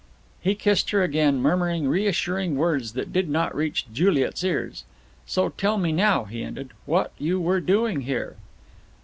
He kissed her again, murmuring reassuring words that did not reach Juliet's ears. "So tell me now," he ended, "what you were doing here."